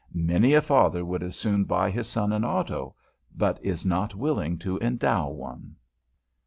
Many a father would as soon buy his son an auto, but is not willing to endow one.